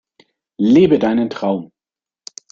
Lebe deinen Traum!